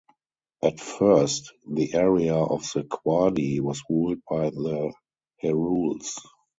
At first the area of the Quadi was ruled by the Herules.